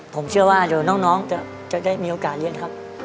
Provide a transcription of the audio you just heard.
ผมเชื่อว่าเดี๋ยวน้องจะได้มีโอกาสเรียนครับ